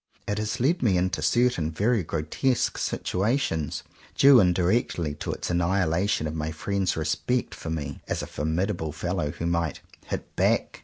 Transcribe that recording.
It has led me into certain very grotesque situations, due indirectly to its annihilation of my friends' respect for me, as a formidable fellow who might "hit back."